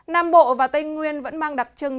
năm bộ và tây nguyên vẫn mang đặc trưng